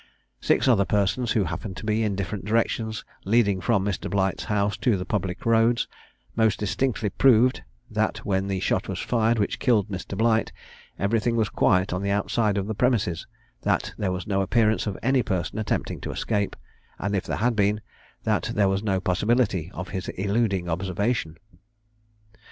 Six other persons, who happened to be in different directions leading from Mr. Blight's house to the public roads, most distinctly proved, that when the shot was fired which killed Mr. Blight, everything was quiet on the outside of the premises; that there was no appearance of any person attempting to escape; and if there had been, that there was no possibility of his eluding observation.